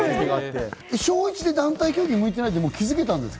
小１で団体競技に向いてないって気づけたんですか？